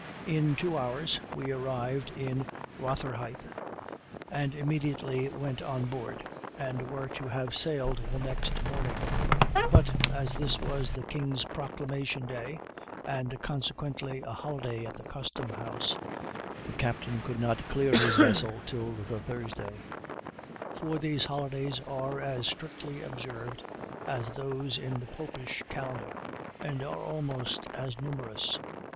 In two hours we arrived in Rotherhithe, and immediately went on board, and were to have sailed the next morning; but, as this was the king's proclamation day, and consequently a holiday at the custom house, the captain could not clear his vessel till the Thursday; for these holidays are as strictly observed as those in the popish calendar, and are almost as numerous.